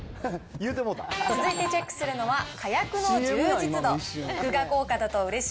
続いてチェックするのは、かやくの充実度。